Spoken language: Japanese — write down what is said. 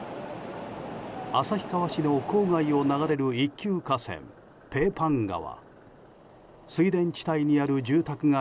旭川市の郊外を流れる一級河川ペーパン川。